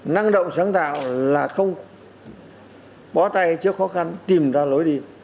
năng động sáng tạo là không bó tay trước khó khăn tìm ra lối đi